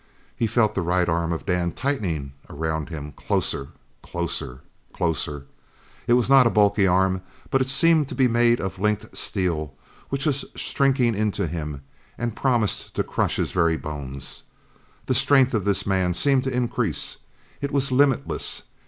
He felt the right arm of Dan tightening around him closer, closer, closer! It was not a bulky arm, but it seemed to be made of linked steel which was shrinking into him, and promised to crush his very bones. The strength of this man seemed to increase. It was limitless.